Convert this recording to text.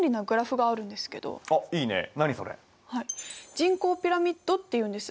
人口ピラミッドっていうんです。